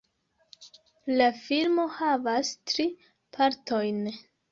La filmo havas tri partojn.